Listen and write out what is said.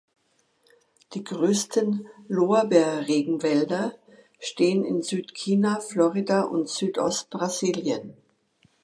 Die größten Lorbeer-"Regen"wälder stehen in Süd-China, Florida und Südost-Brasilien.